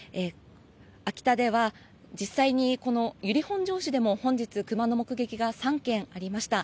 秋田では、実際に由利本荘市でも本日クマの目撃が３件ありました。